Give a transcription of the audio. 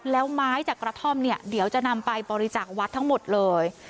แล้วไม้จากกระท่อมเนี่ยเดี๋ยวจะนำไปบริจาควัดทั้งหมดเลย